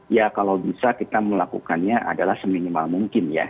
ya kalau bisa kita melakukannya adalah seminimal mungkin ya